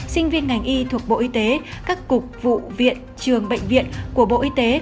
sinh viên ngành y thuộc bộ y tế các cục vụ viện trường bệnh viện của bộ y tế